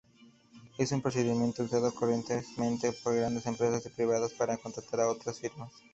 Es un procedimiento usado corrientemente por grandes empresas privadas para contratar a otras firmas.